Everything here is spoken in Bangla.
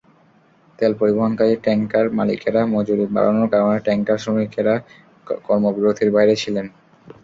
তেল পরিবহনকারী ট্যাংকার মালিকেরা মজুরি বাড়ানোর কারণে ট্যাংকার শ্রমিকেরা কর্মবিরতির বাইরে ছিলেন।